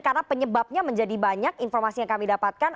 karena penyebabnya menjadi banyak informasi yang kami dapatkan